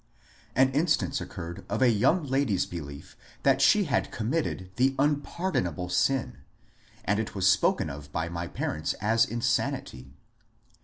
An instance occurred of a yoimg lady's belief that she had com mitted the ^' unpardonable sin," and it was spoken of by my parents as insanity.